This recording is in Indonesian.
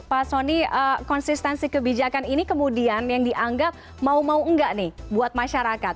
pak soni konsistensi kebijakan ini kemudian yang dianggap mau mau enggak nih buat masyarakat